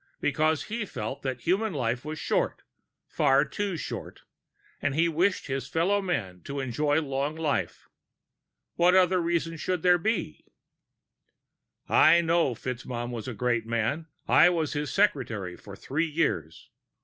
Because he felt that the human life was short, far too short, and he wished his fellow men to enjoy long life. What other reason should there be?" "I know FitzMaugham was a great man ... I was his secretary for three years."